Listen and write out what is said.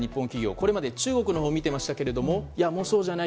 これまで中国のほうを見ていましたがもう、そうじゃない。